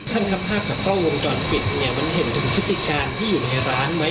ท่านครับภาพจากกล้องวงจรปิดเนี่ยมันเห็นถึงพฤติการที่อยู่ในร้านไหม